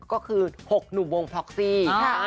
ก็คือ๖หนุ่มวงพ็อกซี่